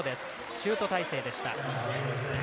シュート体勢でした。